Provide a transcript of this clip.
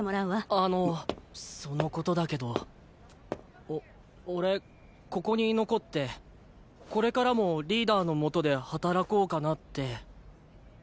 あのそのことだけどお俺ここに残ってこれからもリーダーの下で働こうかなって。